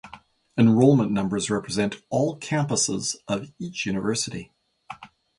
Enrollment numbers represent all campuses of each university.